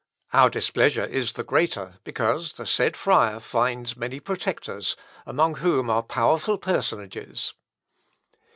Our displeasure is the greater because the said friar finds many protectors, among whom are powerful personages.